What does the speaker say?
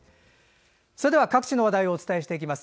各地の話題をお伝えしていきます。